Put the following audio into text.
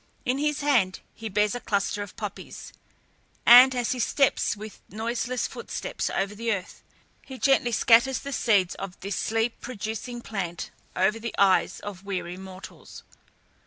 In his hand he bears a cluster of poppies, and as he steps with noiseless footsteps over the earth, he gently scatters the seeds of this sleep producing plant over the eyes of weary mortals.